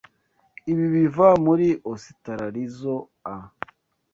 Ibi biva muri Ositaralizoa.